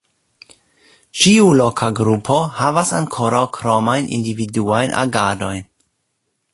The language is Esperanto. Ĉiu loka grupo havas ankoraŭ kromajn individuajn agadojn.